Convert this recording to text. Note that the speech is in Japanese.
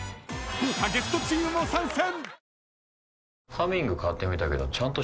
豪華ゲストチームも参戦］